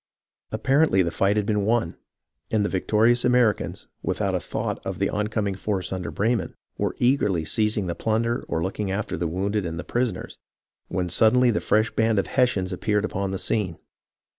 Apparently the fight had been won ; and the victorious Americans, without a thought of the oncoming force under Breyman, were eagerly seizing the plunder or looking after the wounded and the prisoners, when suddenly the fresh band of Hessians appeared upon the scene.